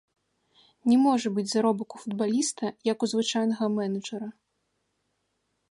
Не можа быць заробак у футбаліста, як у звычайнага менеджара.